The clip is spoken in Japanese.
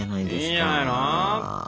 いいんじゃないの？